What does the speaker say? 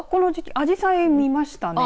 アジサイ見ましたね。